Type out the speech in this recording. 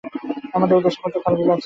আমাদের দেশে প্রচুর খাল বিল আছে।